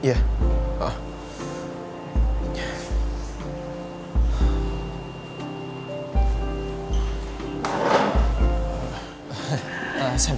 aku mau ke rumah